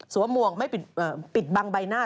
หมวกไม่ปิดบังใบหน้า